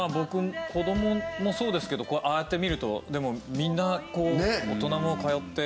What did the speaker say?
子どももそうですけどああやって見るとみんなこう大人も通って。